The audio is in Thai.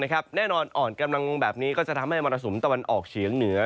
แน่นอนอ่อนกำลังลงแบบนี้ก็จะทำให้มรสุมตะวันออกเฉียงเหนือ